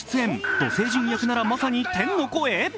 土星人役ならまさに天の声？